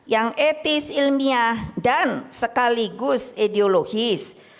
yang etis ilmiah dan sekaligus ideologis